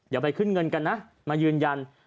อย่าไปขึ้นเงินกันนะมายืนยัน